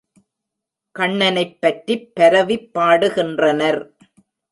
கண்ணனைப் பற்றிப் பரவிப் பாடுகின்றனர்.